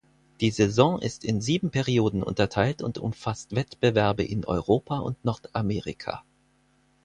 Die Saison ist in sieben Perioden unterteilt und umfasst Wettbewerbe in Europa und Nordamerika.